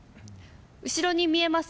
後ろに見えます